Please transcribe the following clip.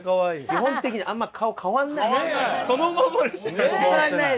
基本的にあんま顔変わんない。